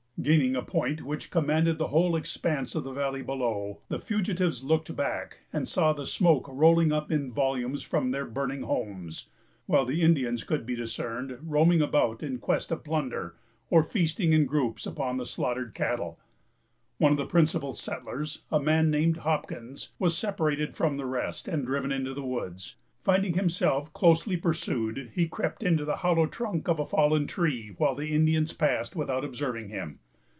Gaining a point which commanded the whole expanse of the valley below, the fugitives looked back, and saw the smoke rolling up in volumes from their burning homes; while the Indians could be discerned roaming about in quest of plunder, or feasting in groups upon the slaughtered cattle. One of the principal settlers, a man named Hopkins, was separated from the rest, and driven into the woods. Finding himself closely pursued, he crept into the hollow trunk of a fallen tree, while the Indians passed without observing him.